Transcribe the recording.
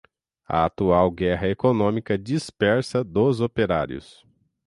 a atual guerra econômica dispersa dos operários